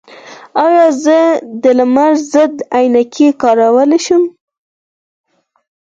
ایا زه د لمر ضد عینکې کارولی شم؟